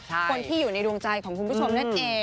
คนที่อยู่ในดวงใจของคุณผู้ชมนั่นเอง